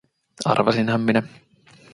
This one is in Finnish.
Arvasinhan minä.